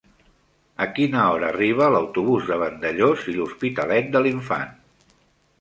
A quina hora arriba l'autobús de Vandellòs i l'Hospitalet de l'Infant?